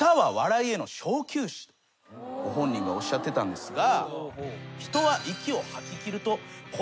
ご本人がおっしゃってたんですが。